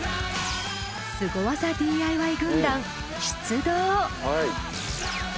スゴ技ＤＩＹ軍団出動。